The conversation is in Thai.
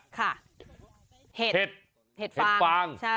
ค่ะเห็ดฟาง